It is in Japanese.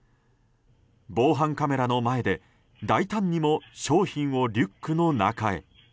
防犯カメラの前で大胆にも商品をリュックの中へ。